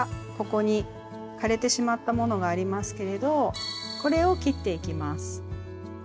ここに枯れてしまったものがありますけれどこれを切っていきます。